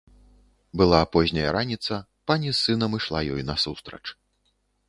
Была позняя раніца, пані з сынам ішла ёй насустрач.